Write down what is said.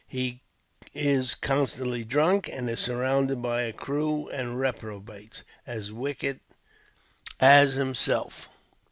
He is constantly drunk, and is surrounded by a crew of reprobates, as wicked as himself.